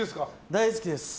大好きです。